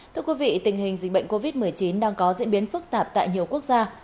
thưa quý vị tình hình dịch bệnh covid một mươi chín đang có diễn biến phức tạp tại nhiều quốc gia